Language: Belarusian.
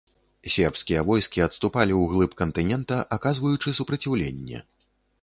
Сербскія войскі адступалі ўглыб кантынента, аказваючы супраціўленне.